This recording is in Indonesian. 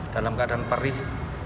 dalam keadaan perih